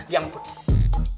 ini anak handsomenya momi